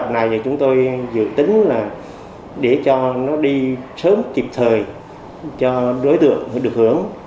trong kế hoạch này chúng tôi dự tính là để cho nó đi sớm kịp thời cho đối tượng được hưởng